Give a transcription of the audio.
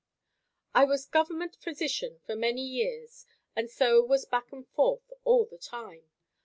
I was government physician for many years and so was back and forth all the time.